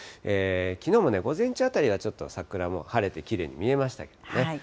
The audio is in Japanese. きのうもね、午前中あたりはちょっと桜も、晴れてきれいに見えましたけどね。